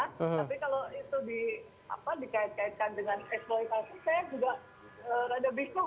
tapi kalau itu dikait kaitkan dengan eksploitasi saya juga rada bingung